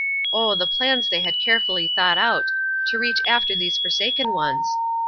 Oh, the plans they had carefully thought out, to reach after these forsaken ones!